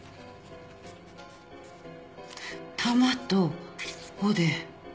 「玉」と「緒」で。